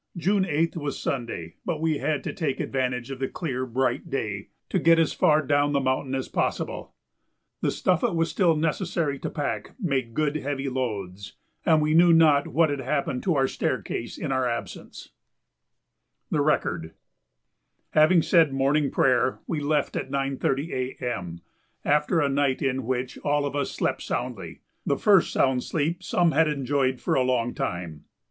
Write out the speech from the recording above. June 8th was Sunday, but we had to take advantage of the clear, bright day to get as far down the mountain as possible. The stuff it was still necessary to pack made good, heavy loads, and we knew not what had happened to our staircase in our absence. [Sidenote: The Record] Having said Morning Prayer, we left at 9.30 A. M., after a night in which all of us slept soundly the first sound sleep some had enjoyed for a long time.